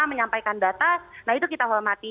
menyampaikan data nah itu kita hormati